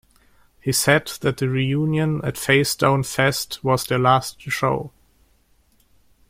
He said that the reunion at Facedown Fest was their last show.